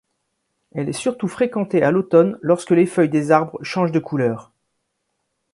Elle est surtout fréquentée à l'automne, lorsque les feuilles des arbres changent de couleur.